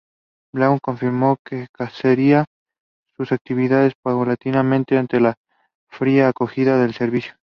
Australian timber is used throughout the building.